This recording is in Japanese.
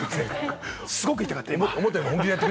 すごく痛かったよ！